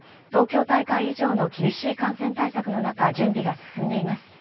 東京大会以上の厳しい感染対策の中準備が進んでいます。